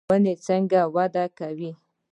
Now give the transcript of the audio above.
ونې څنګه وده کوي؟